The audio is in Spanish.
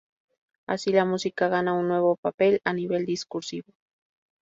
Así, la música gana un nuevo papel a nivel discursivo.